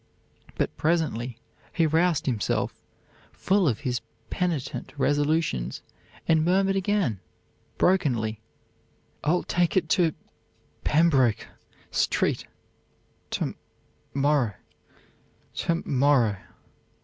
But presently he roused himself, full of his penitent resolutions, and murmured again, brokenly, 'I'll take it to Pembroke Street to morrow; to morrow.'